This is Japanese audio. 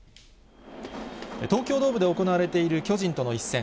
東京ドームで行われている巨人との一戦。